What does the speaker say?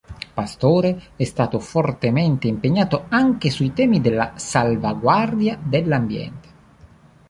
Pastore è stato fortemente impegnato anche sui temi della salvaguardia dell'ambiente.